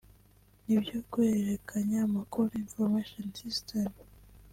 n’ibyo guhererekanya amakuru (Information System)